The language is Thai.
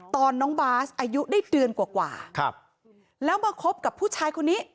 ตอนน้องบาสอายุได้เดือนกว่าครับแล้วมาคบกับผู้ชายคนนี้